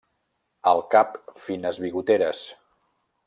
Al cap fines bigoteres.